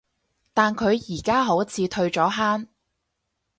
但佢而家好似退咗坑